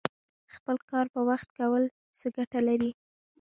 خپل کار په وخت کول څه ګټه لري؟